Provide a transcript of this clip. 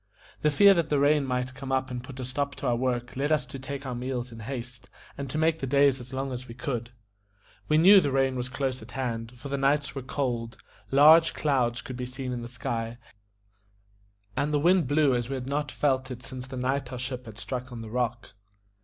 The fear that the rain might come and put a stop to our work led us to take our meals in haste, and to make the days as long as we could see. We knew the rain was close at hand, for the nights were cold; large clouds could be seen in the sky, and the wind blew as we had not felt it since the night our ship had struck on the rock.